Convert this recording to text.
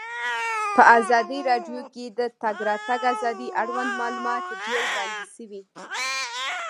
په ازادي راډیو کې د د تګ راتګ ازادي اړوند معلومات ډېر وړاندې شوي.